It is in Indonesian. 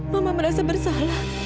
mama merasa bersalah